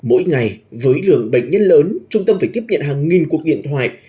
mỗi ngày với lượng bệnh nhân lớn trung tâm phải tiếp nhận hàng nghìn cuộc điện thoại